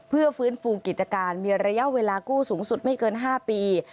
เพื่อฟื้นฟูกิจการมีระยะเวลากู้สูงสุดไม่เกิน๕ปี